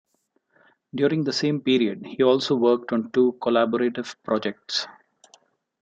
During the same period he also worked on two collaborative projects.